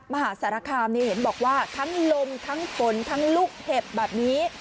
มหาสารคามนี่เห็นบอกว่าทั้งลมทั้งฝนทั้งลูกเห็บแบบนี้